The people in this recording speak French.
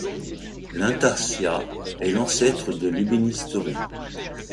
L'intarsia est l'ancêtre de l'ébénisterie.